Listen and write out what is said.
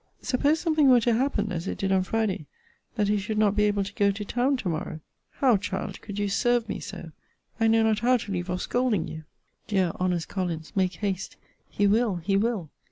Suppose something were to happen, as it did on Friday, that he should not be able to go to town to morrow? How, child, could you serve me so! I know not how to leave off scolding you! Dear, honest Collins, make haste: he will: he will.